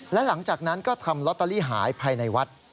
และหลังจากนั้นก็ทำลอตเตอรี่หายภายในวัด